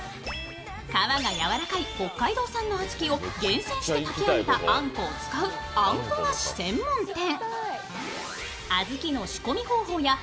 皮がやわらかい北海道産の小豆を厳選して炊き上げたあんこを使うあんこ菓子専門店。